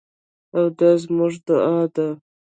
او دا زموږ دعا ده.